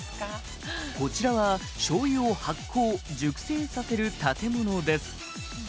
「こちらはしょうゆを発酵熟成させる建物です」